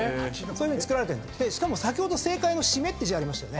しかも先ほど正解の「〆」って字ありましたよね。